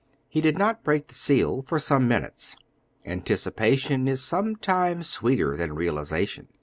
He did not break the seal for some minutes, anticipation is sometimes sweeter than realization.